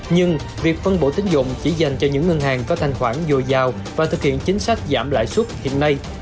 nhưng việc phân bổ tính dụng chỉ dành cho những ngân hàng có thanh khoản dồi dào và thực hiện chính sách giảm lãi suất hiện nay